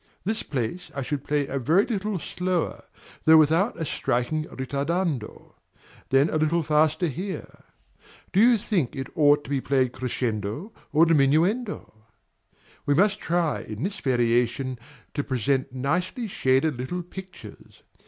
This place I should play a very little slower, though without a striking ritardando; then a little faster here; do you think it ought to be played crescendo or diminuendo? We must try in this variation to present nicely shaded little pictures.